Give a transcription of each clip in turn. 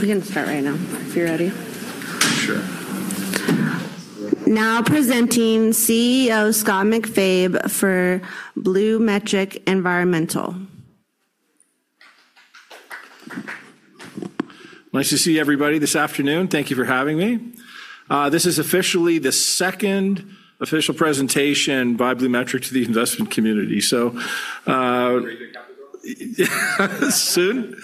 We can start right now if you're ready. Sure. Now presenting CEO Scott MacFabe for BluMetric Environmental. Nice to see everybody this afternoon. Thank you for having me. This is officially the second official presentation by BluMetric to the investment community. Very good capital. Soon.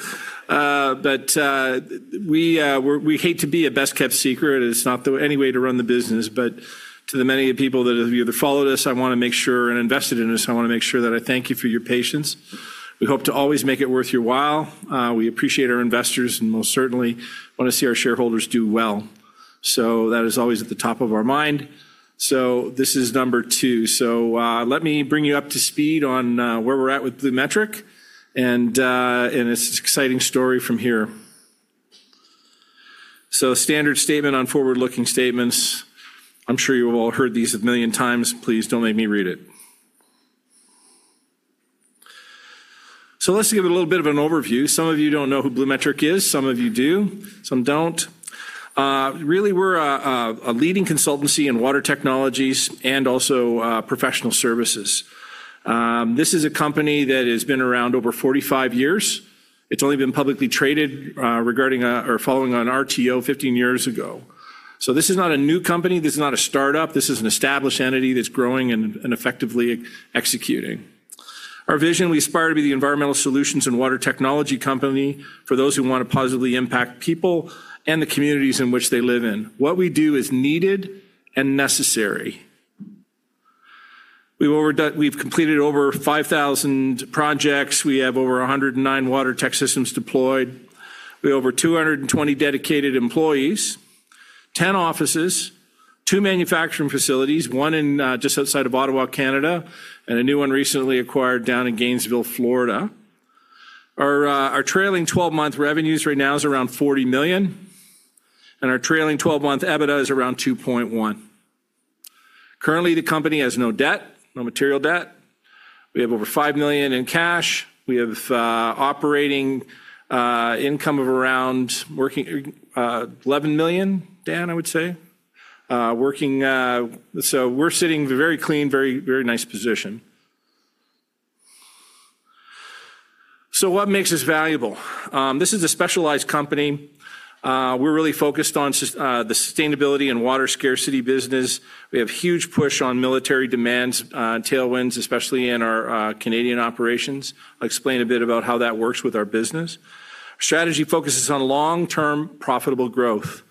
We hate to be a best kept secret. It's not the only way to run the business. To the many people that have either followed us and invested in us, I want to make sure that I thank you for your patience. We hope to always make it worth your while. We appreciate our investors and most certainly want to see our shareholders do well. That is always at the top of our mind. This is number two. Let me bring you up to speed on where we're at with BluMetric and its exciting story from here. Standard statement on forward-looking statements. I'm sure you've all heard these a million times. Please don't make me read it. Let's give a little bit of an overview. Some of you don't know who BluMetric is. Some of you do. Some don't. Really, we're a leading consultancy in water technologies and also professional services. This is a company that has been around over 45 years. It's only been publicly traded regarding or following on RTO 15 years ago. This is not a new company. This is not a startup. This is an established entity that's growing and effectively executing. Our vision, we aspire to be the environmental solutions and water technology company for those who want to positively impact people and the communities in which they live in. What we do is needed and necessary. We've completed over 5,000 projects. We have over 109 water tech systems deployed. We have over 220 dedicated employees, 10 offices, two manufacturing facilities, one just outside of Ottawa, Canada, and a new one recently acquired down in Gainesville, Florida. Our trailing 12-month revenues right now is around 40 million, and our trailing 12-month EBITDA is around 2.1 million. Currently, the company has no debt, no material debt. We have over 5 million in cash. We have operating income of around 11 million, Dan, I would say. We're sitting in a very clean, very nice position. What makes us valuable? This is a specialized company. We're really focused on the sustainability and water scarcity business. We have a huge push on military demands, tailwinds, especially in our Canadian operations. I'll explain a bit about how that works with our business. Our strategy focuses on long-term profitable growth.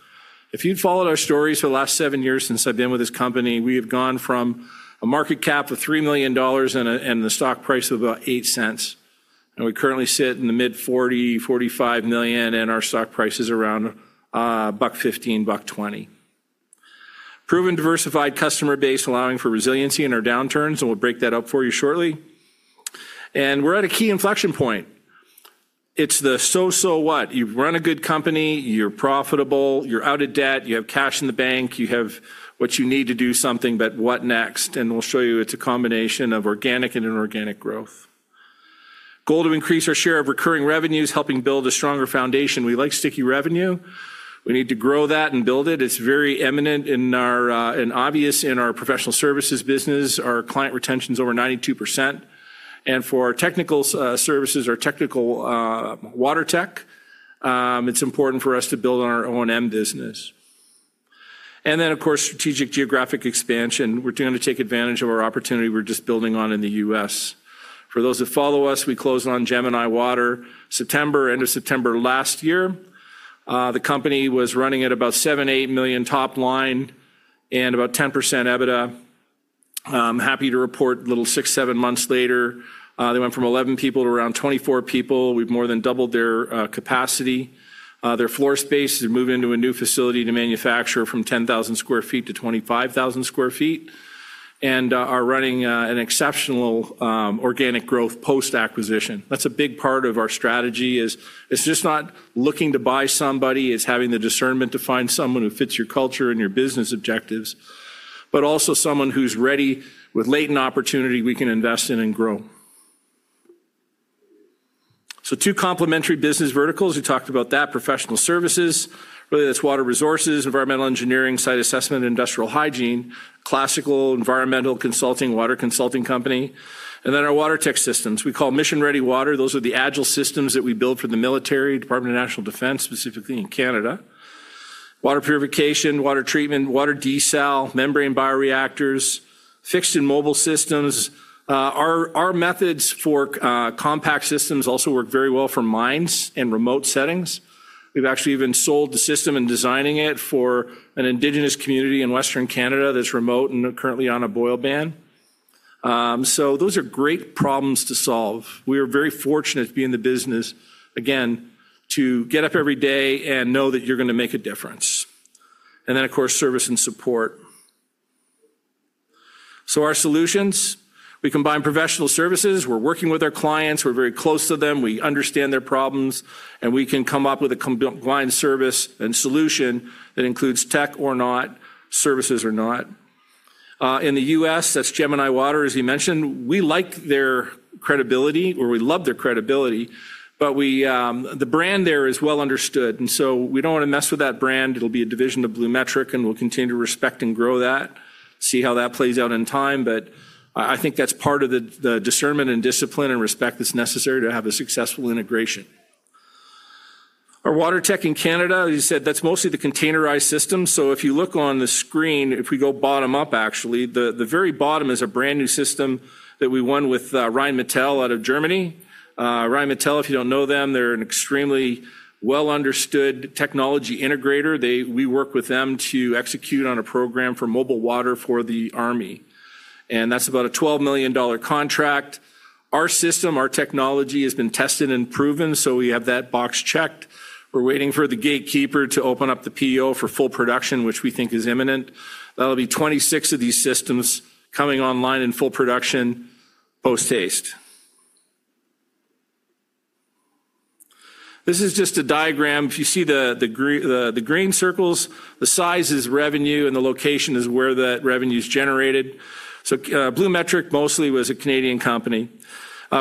If you'd followed our stories for the last seven years since I've been with this company, we have gone from a market cap of 3 million dollars and the stock price of about 0.08. We currently sit in the mid-CAD 40 million, 45 million, and our stock price is around 1.15-1.20. Proven diversified customer base, allowing for resiliency in our downturns, and we will break that up for you shortly. We are at a key inflection point. It is the so-so what? You run a good company, you are profitable, you are out of debt, you have cash in the bank, you have what you need to do something, but what next? We will show you it is a combination of organic and inorganic growth. Goal to increase our share of recurring revenues, helping build a stronger foundation. We like sticky revenue. We need to grow that and build it. It is very eminent and obvious in our professional services business. Our client retention is over 92%. For our technical services, our technical water tech, it is important for us to build on our O&M business. Of course, strategic geographic expansion. We're going to take advantage of our opportunity. We're just building on in the U.S. For those who follow us, we closed on Gemini Water at the end of September last year. The company was running at about 7 million-8 million top line and about 10% EBITDA. Happy to report a little six, seven months later, they went from 11 people to around 24 people. We've more than doubled their capacity. Their floor space, they moved into a new facility to manufacture from 10,000 sq ft to 25,000 sq ft and are running an exceptional organic growth post-acquisition. That's a big part of our strategy. It's just not looking to buy somebody. It's having the discernment to find someone who fits your culture and your business objectives, but also someone who's ready with latent opportunity we can invest in and grow. Two complementary business verticals. We talked about that, professional services. Really, that's water resources, environmental engineering, site assessment, industrial hygiene, classical environmental consulting, water consulting company. And then our water tech systems. We call mission-ready water. Those are the agile systems that we build for the military, Department of National Defense, specifically in Canada. Water purification, water treatment, water desal, membrane bioreactors, fixed and mobile systems. Our methods for compact systems also work very well for mines and remote settings. We've actually even sold the system and designing it for an indigenous community in western Canada that's remote and currently on a boil ban. Those are great problems to solve. We are very fortunate to be in the business, again, to get up every day and know that you're going to make a difference. Of course, service and support. Our solutions, we combine professional services. We're working with our clients. We're very close to them. We understand their problems, and we can come up with a combined service and solution that includes tech or not, services or not. In the U.S., that's Gemini Water, as you mentioned. We like their credibility, or we love their credibility, but the brand there is well understood. We don't want to mess with that brand. It'll be a division of BluMetric, and we'll continue to respect and grow that, see how that plays out in time. I think that's part of the discernment and discipline and respect that's necessary to have a successful integration. Our water tech in Canada, as you said, that's mostly the containerized system. If you look on the screen, if we go bottom up, actually, the very bottom is a brand new system that we won with Rheinmetall out of Germany. Rheinmetall, if you don't know them, they're an extremely well-understood technology integrator. We work with them to execute on a program for mobile water for the army. That's about a 12 million dollar contract. Our system, our technology has been tested and proven, so we have that box checked. We're waiting for the gatekeeper to open up the PO for full production, which we think is imminent. That'll be 26 of these systems coming online in full production post-haste. This is just a diagram. If you see the green circles, the size is revenue, and the location is where that revenue is generated. So BluMetric mostly was a Canadian company.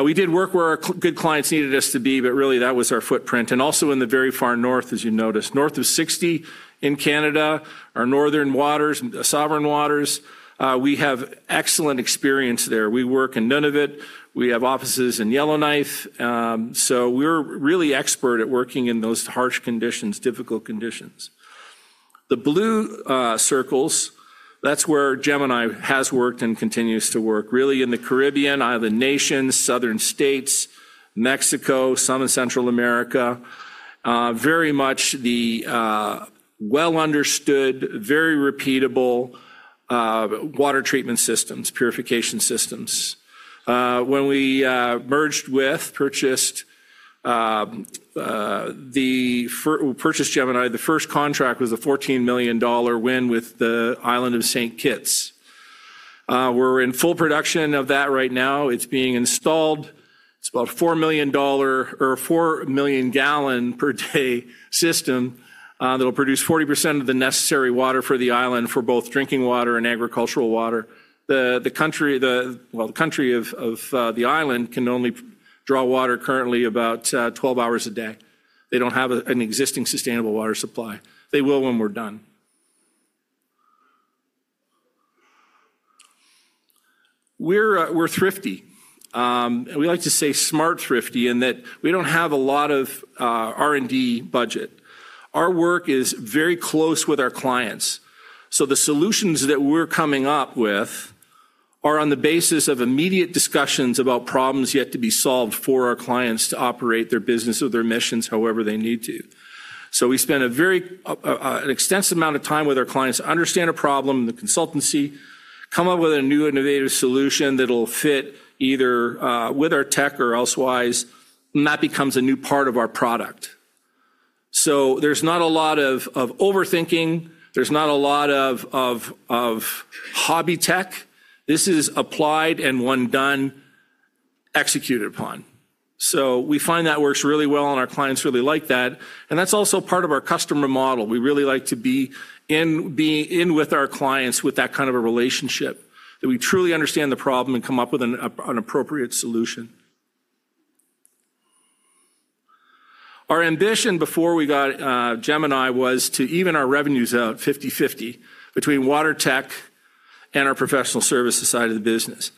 We did work where our good clients needed us to be, but really that was our footprint. Also in the very far north, as you noticed, north of 60 in Canada, our northern waters, sovereign waters, we have excellent experience there. We work in Nunavut. We have offices in Yellowknife. We are really expert at working in those harsh conditions, difficult conditions. The blue circles, that is where Gemini has worked and continues to work. Really in the Caribbean, island nations, southern states, Mexico, some in Central America, very much the well-understood, very repeatable water treatment systems, purification systems. When we merged with, purchased Gemini, the first contract was a 14 million dollar win with the island of St. Kitts. We are in full production of that right now. It is being installed. It is about a 4 million gal per day system that will produce 40% of the necessary water for the island for both drinking water and agricultural water. The country of the island can only draw water currently about 12 hours a day. They don't have an existing sustainable water supply. They will when we're done. We're thrifty. We like to say smart thrifty in that we don't have a lot of R&D budget. Our work is very close with our clients. The solutions that we're coming up with are on the basis of immediate discussions about problems yet to be solved for our clients to operate their business or their missions however they need to. We spend an extensive amount of time with our clients to understand a problem in the consultancy, come up with a new innovative solution that'll fit either with our tech or elsewise, and that becomes a new part of our product. There's not a lot of overthinking. There's not a lot of hobby tech. This is applied and once done, executed upon. We find that works really well, and our clients really like that. That is also part of our customer model. We really like to be in with our clients with that kind of a relationship where we truly understand the problem and come up with an appropriate solution. Our ambition before we got Gemini was to even our revenues out 50/50 between water tech and our professional services side of the business.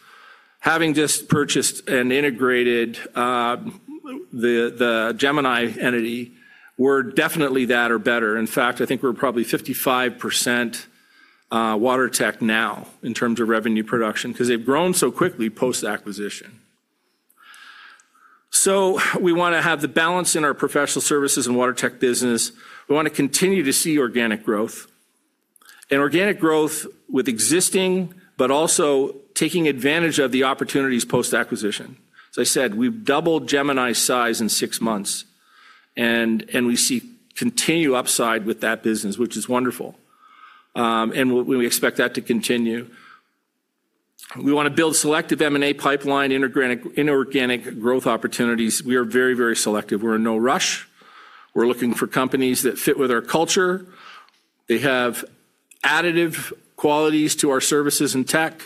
Having just purchased and integrated the Gemini entity, we are definitely that or better. In fact, I think we are probably 55% water tech now in terms of revenue production because they have grown so quickly post-acquisition. We want to have the balance in our professional services and water tech business. We want to continue to see organic growth and organic growth with existing, but also taking advantage of the opportunities post-acquisition. As I said, we've doubled Gemini's size in six months, and we see continued upside with that business, which is wonderful. We expect that to continue. We want to build selective M&A pipeline, inorganic growth opportunities. We are very, very selective. We are in no rush. We are looking for companies that fit with our culture. They have additive qualities to our services and tech,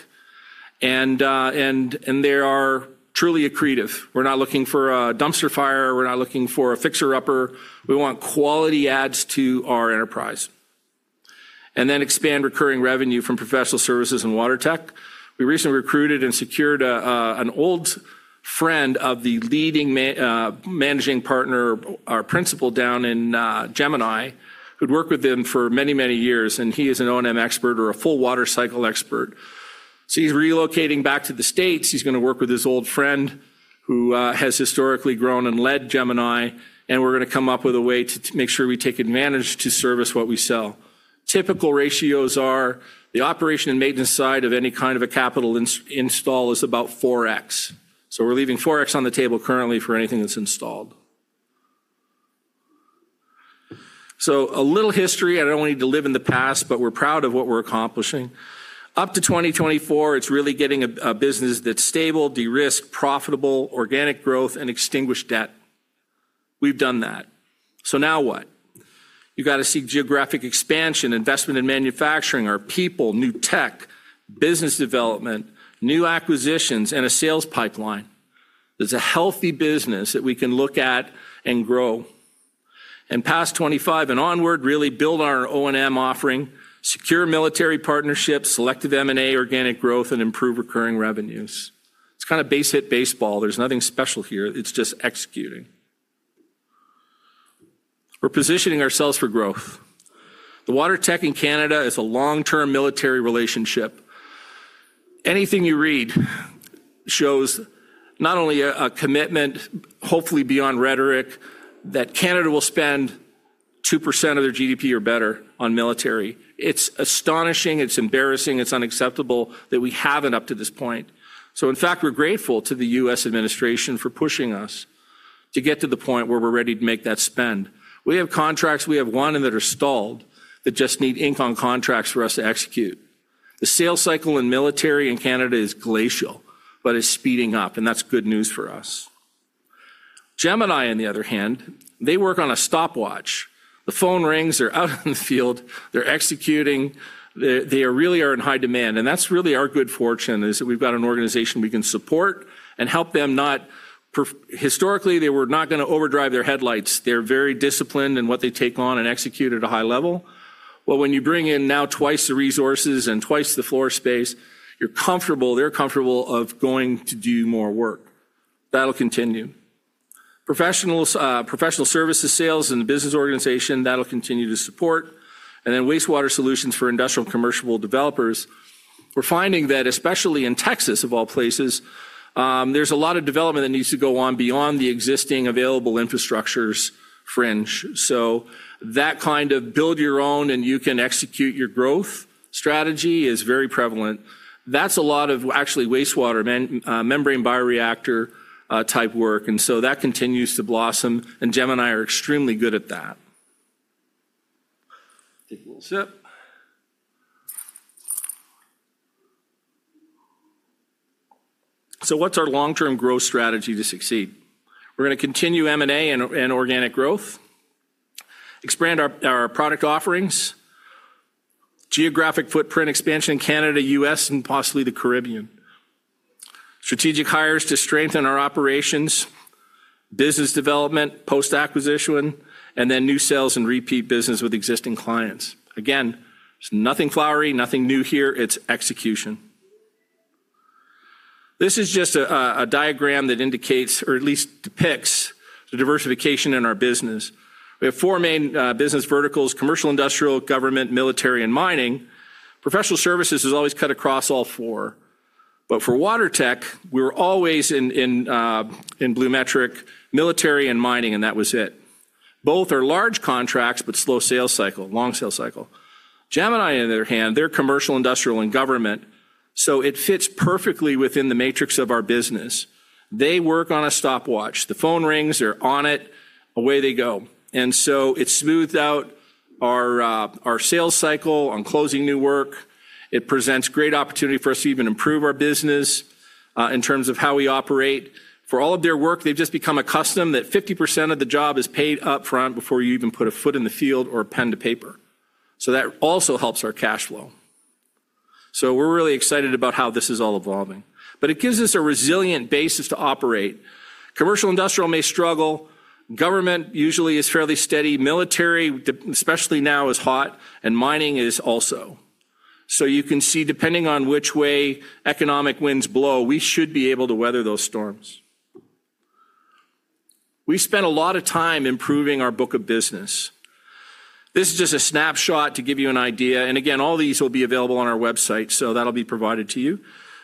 and they are truly accretive. We are not looking for a dumpster fire. We are not looking for a fixer-upper. We want quality adds to our enterprise and then expand recurring revenue from professional services and water tech. We recently recruited and secured an old friend of the leading managing partner, our principal down in Gemini, who'd worked with him for many, many years, and he is an O&M expert or a full water cycle expert. He is relocating back to the States. He is going to work with his old friend who has historically grown and led Gemini, and we are going to come up with a way to make sure we take advantage to service what we sell. Typical ratios are the operation and maintenance side of any kind of a capital install is about 4x. We are leaving 4x on the table currently for anything that's installed. A little history. I do not want you to live in the past, but we are proud of what we are accomplishing. Up to 2024, it is really getting a business that's stable, de-risked, profitable, organic growth, and extinguished debt. We have done that. Now what? You've got to see geographic expansion, investment in manufacturing, our people, new tech, business development, new acquisitions, and a sales pipeline. It's a healthy business that we can look at and grow. Past 2025 and onward, really build our O&M offering, secure military partnerships, selective M&A, organic growth, and improve recurring revenues. It's kind of base hit baseball. There's nothing special here. It's just executing. We're positioning ourselves for growth. The water tech in Canada is a long-term military relationship. Anything you read shows not only a commitment, hopefully beyond rhetoric, that Canada will spend 2% of their GDP or better on military. It's astonishing. It's embarrassing. It's unacceptable that we haven't up to this point. In fact, we're grateful to the U.S. administration for pushing us to get to the point where we're ready to make that spend. We have contracts. We have one that are stalled that just need ink on contracts for us to execute. The sales cycle in military in Canada is glacial, but it's speeding up, and that's good news for us. Gemini, on the other hand, they work on a stopwatch. The phone rings. They're out in the field. They're executing. They really are in high demand. That's really our good fortune is that we've got an organization we can support and help them. Not historically, they were not going to overdrive their headlights. They're very disciplined in what they take on and execute at a high level. When you bring in now twice the resources and twice the floor space, you're comfortable. They're comfortable of going to do more work. That'll continue. Professional services, sales, and business organization, that'll continue to support. Wastewater solutions for industrial and commercial developers. We're finding that, especially in Texas of all places, there's a lot of development that needs to go on beyond the existing available infrastructure's fringe. That kind of build your own and you can execute your growth strategy is very prevalent. That's a lot of actually wastewater, membrane bioreactor type work. That continues to blossom, and Gemini are extremely good at that. What's our long-term growth strategy to succeed? We're going to continue M&A and organic growth, expand our product offerings, geographic footprint expansion in Canada, U.S., and possibly the Caribbean, strategic hires to strengthen our operations, business development post-acquisition, and then new sales and repeat business with existing clients. Again, it's nothing flowery, nothing new here. It's execution. This is just a diagram that indicates, or at least depicts, the diversification in our business. We have four main business verticals: commercial, industrial, government, military, and mining. Professional services has always cut across all four. For water tech, we were always in BluMetric, military and mining, and that was it. Both are large contracts, but slow sales cycle, long sales cycle. Gemini, on the other hand, they are commercial, industrial, and government. It fits perfectly within the matrix of our business. They work on a stopwatch. The phone rings. They are on it. Away they go. It smoothed out our sales cycle on closing new work. It presents great opportunity for us to even improve our business in terms of how we operate. For all of their work, they have just become accustomed that 50% of the job is paid upfront before you even put a foot in the field or a pen to paper. That also helps our cash flow. We're really excited about how this is all evolving. It gives us a resilient basis to operate. Commercial, industrial may struggle. Government usually is fairly steady. Military, especially now, is hot, and mining is also. You can see depending on which way economic winds blow, we should be able to weather those storms. We spent a lot of time improving our book of business. This is just a snapshot to give you an idea. Again, all these will be available on our website, so that'll be provided to you.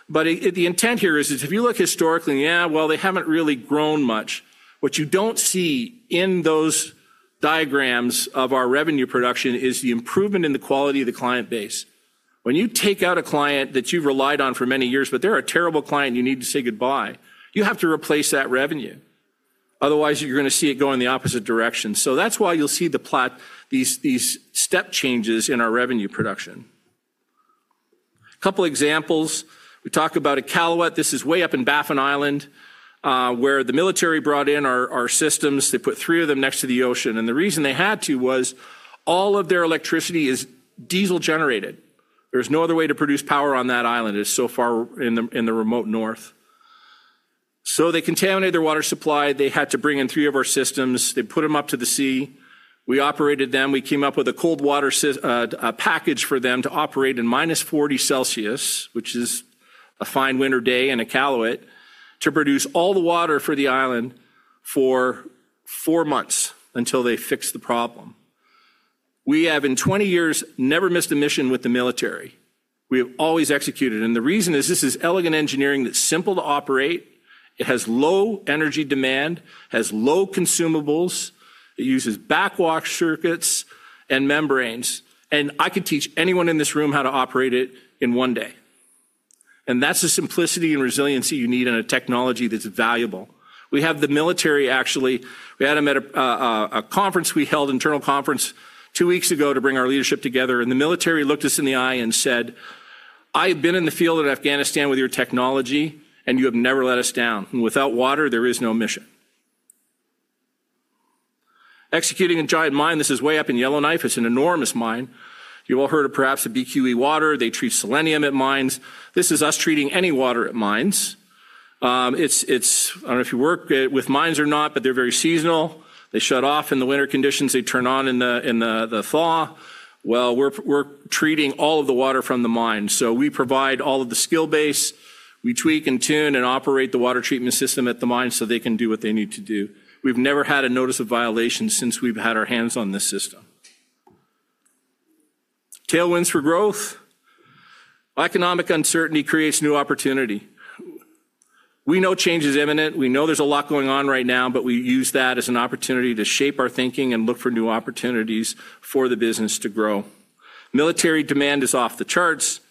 The intent here is that if you look historically, yeah, well, they haven't really grown much. What you don't see in those diagrams of our revenue production is the improvement in the quality of the client base. When you take out a client that you've relied on for many years, but they're a terrible client and you need to say goodbye, you have to replace that revenue. Otherwise, you're going to see it go in the opposite direction. That is why you'll see these step changes in our revenue production. A couple of examples. We talk about Iqaluit. This is way up in Baffin Island where the military brought in our systems. They put three of them next to the ocean. The reason they had to was all of their electricity is diesel generated. There's no other way to produce power on that island. It's so far in the remote north. They contaminated their water supply. They had to bring in three of our systems. They put them up to the sea. We operated them. We came up with a cold water package for them to operate in minus 40 degrees Celsius, which is a fine winter day in Iqaluit, to produce all the water for the island for four months until they fixed the problem. We have in 20 years never missed a mission with the military. We have always executed. The reason is this is elegant engineering that's simple to operate. It has low energy demand, has low consumables. It uses backwash circuits and membranes. I could teach anyone in this room how to operate it in one day. That's the simplicity and resiliency you need in a technology that's valuable. We have the military actually. We had a conference. We held internal conference two weeks ago to bring our leadership together. The military looked us in the eye and said, "I have been in the field in Afghanistan with your technology, and you have never let us down. Without water, there is no mission." Executing a giant mine. This is way up in Yellowknife. It is an enormous mine. You have all heard of perhaps BQE Water. They treat selenium at mines. This is us treating any water at mines. I do not know if you work with mines or not, but they are very seasonal. They shut off in the winter conditions. They turn on in the thaw. We are treating all of the water from the mine. We provide all of the skill base. We tweak and tune and operate the water treatment system at the mine so they can do what they need to do. We've never had a notice of violation since we've had our hands on this system. Tailwinds for growth. Economic uncertainty creates new opportunity. We know change is imminent. We know there's a lot going on right now, but we use that as an opportunity to shape our thinking and look for new opportunities for the business to grow. Military demand is off the charts.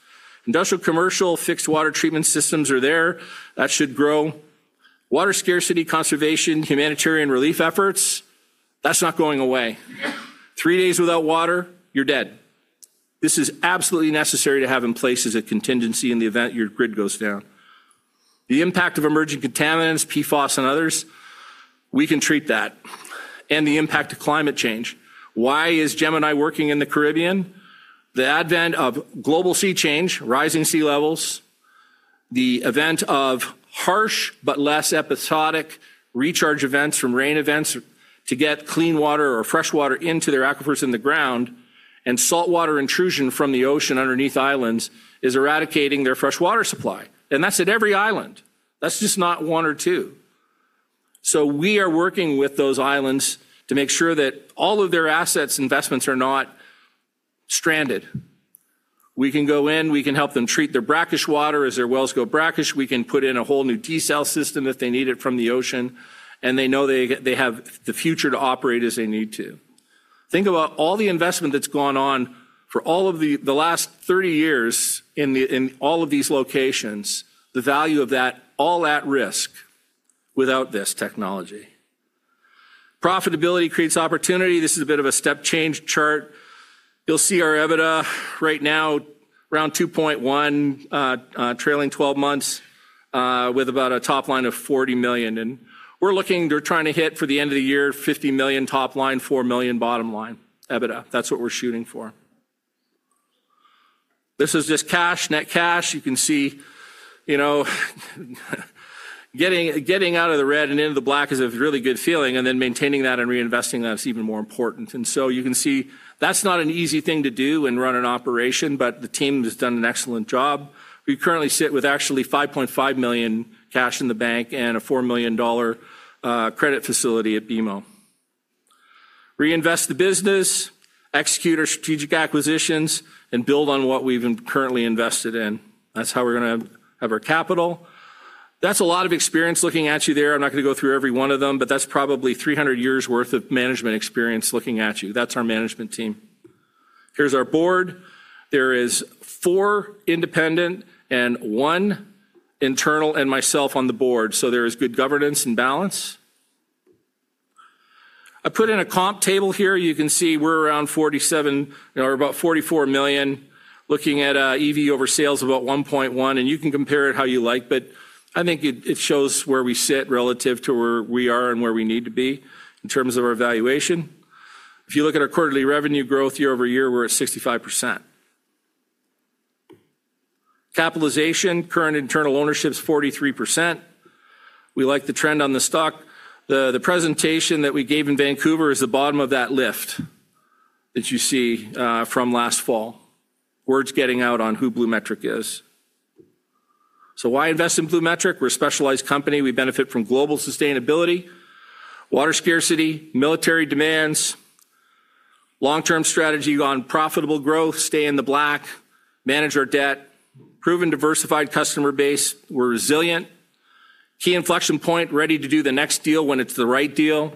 Industrial, commercial, fixed water treatment systems are there. That should grow. Water scarcity, conservation, humanitarian relief efforts. That's not going away. Three days without water, you're dead. This is absolutely necessary to have in place as a contingency in the event your grid goes down. The impact of emerging contaminants, PFOS, and others. We can treat that. The impact of climate change. Why is Gemini working in the Caribbean? The advent of global sea change, rising sea levels, the event of harsh but less episodic recharge events from rain events to get clean water or fresh water into their aquifers in the ground, and saltwater intrusion from the ocean underneath islands is eradicating their fresh water supply. That is at every island. That is just not one or two. We are working with those islands to make sure that all of their assets, investments are not stranded. We can go in. We can help them treat their brackish water as their wells go brackish. We can put in a whole new desal system if they need it from the ocean. They know they have the future to operate as they need to. Think about all the investment that's gone on for all of the last 30 years in all of these locations, the value of that all at risk without this technology. Profitability creates opportunity. This is a bit of a step change chart. You'll see our EBITDA right now around 2.1 million, trailing 12 months with about a top line of 40 million. We're looking to trying to hit for the end of the year, 50 million top line, 4 million bottom line, EBITDA. That's what we're shooting for. This is just cash, net cash. You can see getting out of the red and into the black is a really good feeling, and maintaining that and reinvesting that is even more important. You can see that's not an easy thing to do and run an operation, but the team has done an excellent job. We currently sit with actually 5.5 million cash in the bank and a 4 million dollar credit facility at BMO. Reinvest the business, execute our strategic acquisitions, and build on what we've currently invested in. That's how we're going to have our capital. That's a lot of experience looking at you there. I'm not going to go through every one of them, but that's probably 300 years' worth of management experience looking at you. That's our management team. Here's our board. There is four independent and one internal and myself on the board. There is good governance and balance. I put in a comp table here. You can see we're around 47 million or about 44 million. Looking at EV over sales of about 1.1. You can compare it how you like, but I think it shows where we sit relative to where we are and where we need to be in terms of our valuation. If you look at our quarterly revenue growth year-over-year, we're at 65%. Capitalization, current internal ownership is 43%. We like the trend on the stock. The presentation that we gave in Vancouver is the bottom of that lift that you see from last fall. Word's getting out on who BluMetric is. Why invest in BluMetric? We're a specialized company. We benefit from global sustainability, water scarcity, military demands, long-term strategy on profitable growth, stay in the black, manage our debt, proven diversified customer base. We're resilient. Key inflection point, ready to do the next deal when it's the right deal.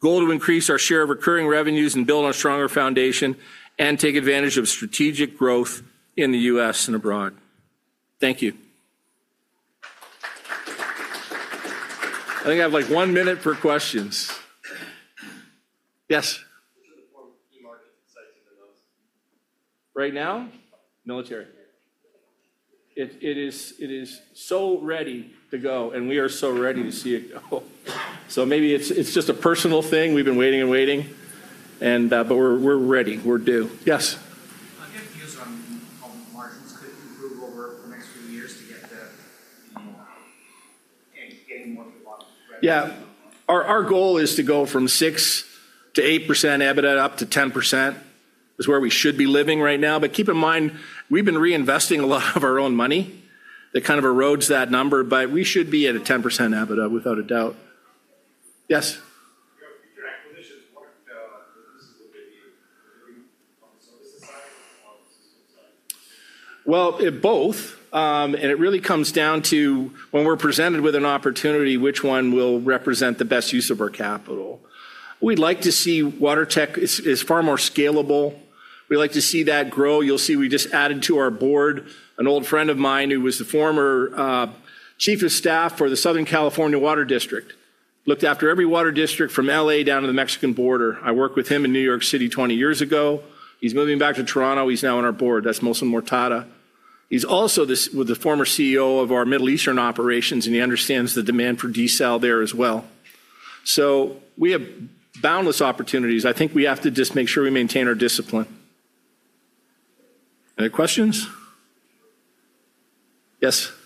Goal to increase our share of recurring revenues and build on a stronger foundation and take advantage of strategic growth in the U.S. and abroad. Thank you. I think I have like one minute for questions. Yes? Which of the four key markets excites you the most? Right now? Military. It is so ready to go, and we are so ready to see it go. Maybe it's just a personal thing. We've been waiting and waiting, but we're ready. We're due. Yes? I guess views on margins could improve over the next few years to get more to the bottom. Yeah. Our goal is to go from 6%-8% EBITDA up to 10% is where we should be living right now. Keep in mind, we've been reinvesting a lot of our own money that kind of erodes that number, but we should be at a 10% EBITDA without a doubt. Yes? Your future acquisitions, what are the businesses, will they be on the service side or on the system side? Both. It really comes down to when we're presented with an opportunity, which one will represent the best use of our capital. We'd like to see water tech is far more scalable. We like to see that grow. You'll see we just added to our board an old friend of mine who was the former Chief of Staff for the Southern California Water District. Looked after every water district from LA down to the Mexican border. I worked with him in New York City 20 years ago. He's moving back to Toronto. He's now on our board. That's Mohsen Mortada. He's also the former CEO of our Middle Eastern operations, and he understands the demand for desal there as well. We have boundless opportunities. I think we have to just make sure we maintain our discipline. Any questions? Yes?